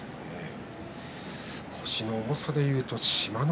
腰の重さでいうと志摩ノ